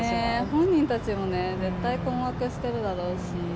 本人たちもね、絶対困惑してるだろうし。